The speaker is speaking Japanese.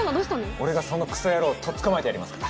俺がそのクソ野郎とっ捕まえてやりますから。